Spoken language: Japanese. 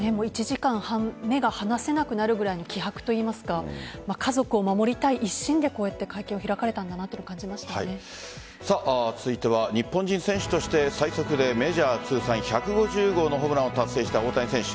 目が離せなくなるくらいの気迫というか家族を守りたい一心で会見を開かれたんだなというのを続いては、日本人選手として最速でメジャー通算１５０号のホームランを達成した大谷選手。